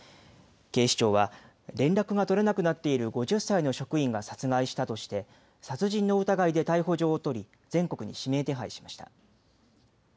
警視庁は連絡が取れなくなっている５０歳の職員が殺害したとして殺人の疑いで逮捕状を取り全国に指名手配しました。